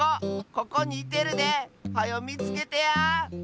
ここにいてるで！はよみつけてや。